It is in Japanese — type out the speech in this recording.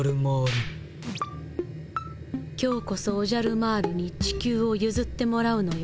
今日こそオジャルマールに地球をゆずってもらうのよ